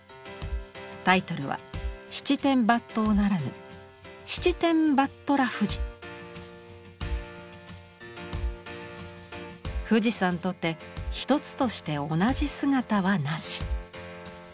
タイトルは「七転八倒」ならぬ「七転八虎富士」。富士山とて一つとして同じ姿はなし。